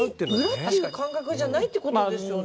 裏っていう感覚じゃないってことですよね。